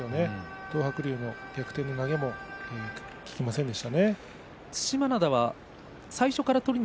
東白龍の逆転の投げも効きませんでした。